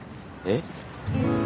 えっ？